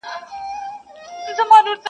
چي راسره وه لکه غر درانه درانه ملګري-